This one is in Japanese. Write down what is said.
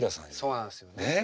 そうなんですよね。ね。